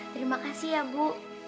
terima kasih ya bu